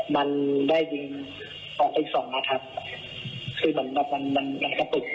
มันได้ยิงออกอีกสองนัดครับคือแบบมันมันมันก็ตุ๊ก